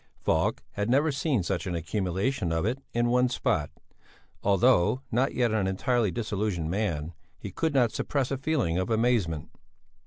Falk had never seen such an accumulation of it in one spot. Although not yet an entirely disillusioned man, he could not suppress a feeling of amazement.